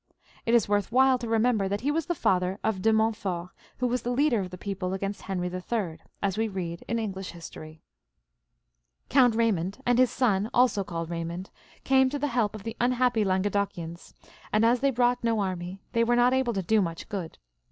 It is worth while to remember that. he was J;he father of the De Mont fort who ^as the leader of the people against Henry III, as we read in English history. Coimt Baymond and his son, also called Raymond, came to the he^ of the unhappy Languedocians, but as they brought no army, they wfere not able to do them much good.